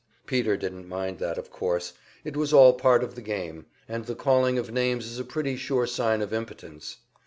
Peter didn't mind that, of course it was all part of the game, and the calling of names is a pretty sure sign of impotence.